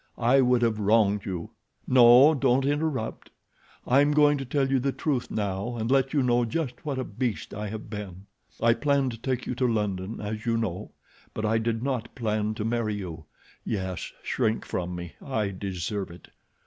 I would have wronged you. No—don't interrupt. I'm going to tell you the truth now and let you know just what a beast I have been. I planned to take you to London, as you know; but I did not plan to marry you. Yes, shrink from me—I deserve it.